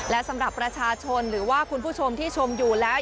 และสำหรับประชาชนหรือว่าคุณผู้ชมที่ชมอยู่แล้ว